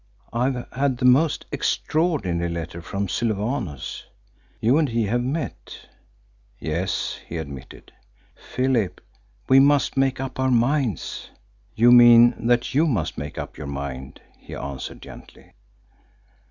"I have had the most extraordinary letter from Sylvanus. You and he have met." "Yes," he admitted. "Philip, we must make up our minds." "You mean that you must make up your mind," he answered gently.